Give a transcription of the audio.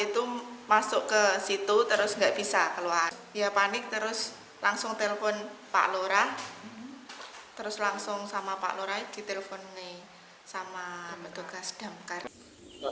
pesawat itu masuk ke situ terus gak bisa keluar dia panik terus langsung telepon pak lora terus langsung sama pak lora ditelepon nih sama petugas damkar